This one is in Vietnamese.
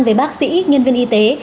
với bác sĩ nhân viên y tế